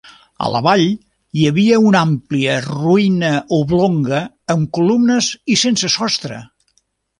A la vall, hi havia una àmplia ruïna oblonga amb columnes i sense sostre.